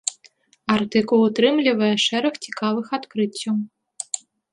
Артыкул утрымлівае шэраг цікавых адкрыццяў.